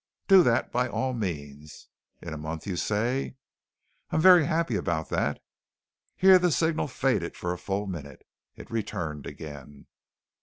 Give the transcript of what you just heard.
Do that, by all means.... In a month, you say?... I'm very happy about that...." here the signal faded for a full minute. It returned again